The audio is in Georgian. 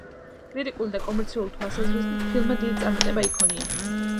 კრიტიკული და კომერციული თვალსაზრისით, ფილმმა დიდი წარმატება იქონია.